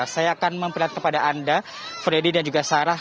saya akan memperlihat kepada anda freddy dan juga sarah